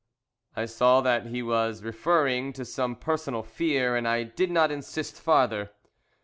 I saw that he was referring to some personal fear, and I did not insist farther.